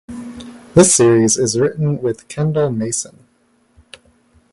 This series is written with Kendall Masen.